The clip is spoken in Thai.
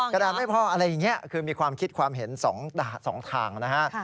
กระดาษไม่พออะไรอย่างนี้คือมีความคิดความเห็น๒ทางนะฮะ